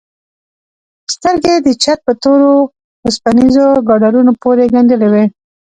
سترگې يې د چت په تورو وسپنيزو ګاډرونو پورې گنډلې وې.